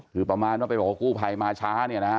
คือประมาณว่าไปบอกว่ากู้ภัยมาช้าเนี่ยนะฮะ